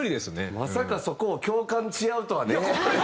まさかそこを共感し合うとはね。